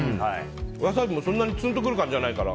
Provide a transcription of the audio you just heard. ワサビもそんなにツンとくる感じがないから。